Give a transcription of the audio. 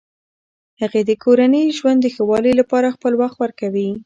هغې د کورني ژوند د ښه والي لپاره خپل وخت ورکوي.